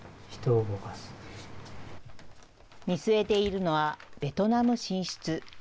見据えているのは、ベトナム進出。